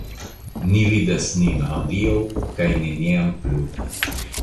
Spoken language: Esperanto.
Ni vidas nin hodiaŭ kaj neniam plu.